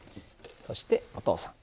そしてお父さん。